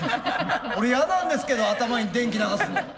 俺嫌なんですけど頭に電気流すの。